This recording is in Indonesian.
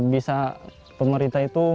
bisa pemerintah itu